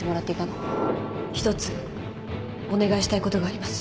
一つお願いしたいことがあります